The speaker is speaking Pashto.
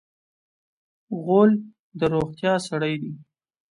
غول د روغتیا سړی دی.